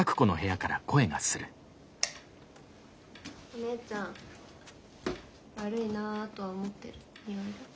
お姉ちゃん悪いなとは思ってるいろいろ。